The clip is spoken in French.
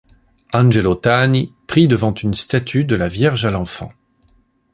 Angelo Tani prie devant une statue de la Vierge à l’Enfant.